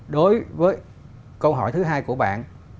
đối với câu hỏi thứ hai của bạn